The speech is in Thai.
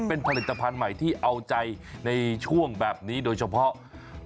เป็นผลิตภัณฑ์ใหม่ที่เอาใจในช่วงแบบนี้โดยเฉพาะ